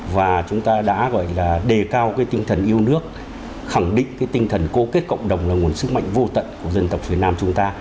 và chúng ta đã gọi là đề cao cái tinh thần yêu nước khẳng định cái tinh thần cố kết cộng đồng là nguồn sức mạnh vô tận của dân tộc việt nam chúng ta